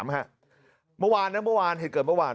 เมื่อวานนะเมื่อวานเหตุเกิดเมื่อวาน